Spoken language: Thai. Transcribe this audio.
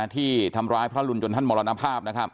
ที่ทำร้ายพระรุนจนท่านมรณภาพ